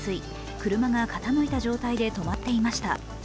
車が傾いた状態で止まっていました。